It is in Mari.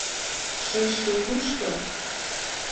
Шешке кушто?